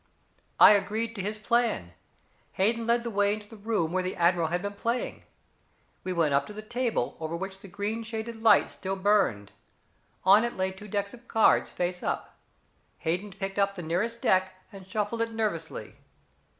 "I agreed to his plan. Hayden led the way into the room where the admiral had been playing. We went up to the table, over which the green shaded light still burned. On it lay two decks of cards, face up. Hayden picked up the nearest deck, and shuffled it nervously.